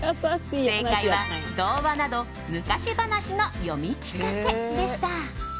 正解は、童話など昔話の読み聞かせでした。